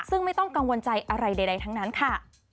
ซึ่งไม่ต้องกังวลใจอะไรใดทั้งนั้นค่ะ